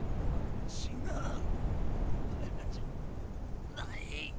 違うおまえらじゃない。